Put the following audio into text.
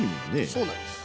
そうなんです。